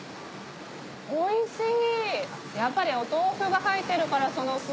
おいしい！